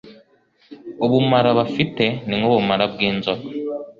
Ubumara bafite ni nk’ubumara bw’inzoka